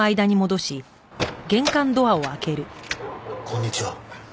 こんにちは。